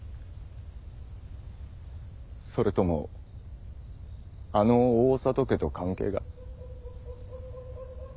それともあの大郷家と関係が。